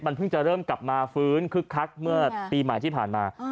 เพิ่งจะเริ่มกลับมาฟื้นคึกคักเมื่อปีใหม่ที่ผ่านมา